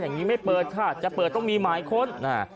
อย่างนี้ไม่เปิดค่ะจะเปิดต้องมีหมายค้น